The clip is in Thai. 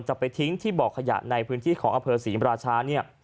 จะไปทิ้งที่บอกขยะในพื้นที่ของอเภอศรีประราชา